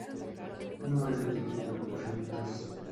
No hay otros cuerpo finitos.